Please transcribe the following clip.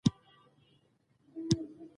موږ باید د کورنۍ اړیکې د خبرو له لارې پیاوړې کړو